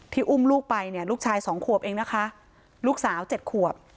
อุ้มลูกไปเนี่ยลูกชายสองขวบเองนะคะลูกสาว๗ขวบ